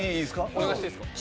お願いしていいですか？